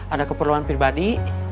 ada keperluan pribadi